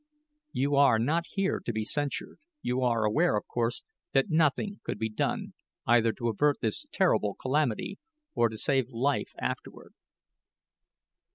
"You are not here to be censured. You are aware, of course, that nothing could be done, either to avert this terrible calamity, or to save life afterward."